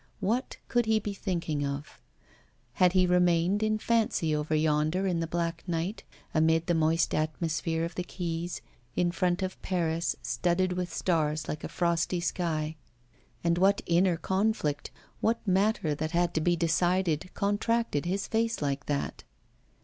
What could he be thinking of? Had he remained in fancy over yonder in the black night, amid the moist atmosphere of the quays, in front of Paris studded with stars like a frosty sky? And what inner conflict, what matter that had to be decided, contracted his face like that?